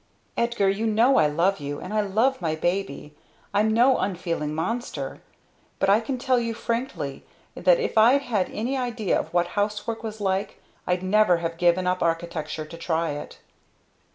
"Edgar! You know I love you. And I love my baby I'm no unfeeling monster! But I can tell you frankly that if I'd had any idea of what housework was like I'd never have given up architecture to try it."